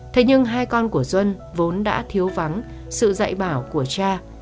thế nhưng hai con của duân vốn đã thiếu vắng sự dạy bảo của cha